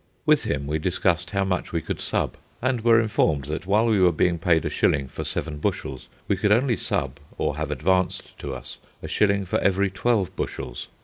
With him we discussed how much we could "sub," and were informed that while we were being paid a shilling for seven bushels, we could only "sub," or have advanced to us, a shilling for every twelve bushels.